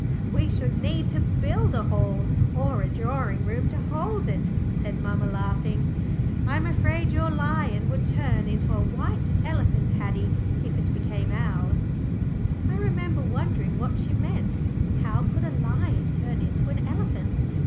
"We should need to build a hall or a drawing room to hold it," said mamma, laughing. "I'm afraid your lion would turn into a white elephant, Haddie, if it became ours." I remember wondering what she meant. How could a lion turn into an elephant?